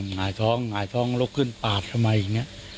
หงายท้องหงายท้องลุกขึ้นปาดทำไมอย่างนี้